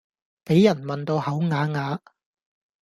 比人問到口啞啞